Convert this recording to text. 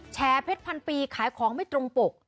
เพชรพันปีขายของไม่ตรงปก